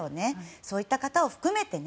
そういった方を含めて